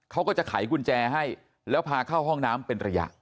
เขาก็จะไขกุญแจให้แล้วพาเข้าห้องน้ำเป็นระยะ